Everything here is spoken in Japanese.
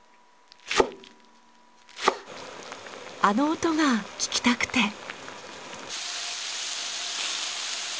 あの音が聞きたくて。